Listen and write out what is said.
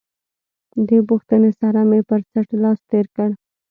دې پوښتنې سره مې پر څټ لاس تېر کړ.